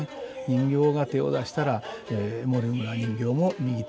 人形が手を出したら森村人形も右手を出す。